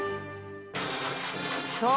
そう。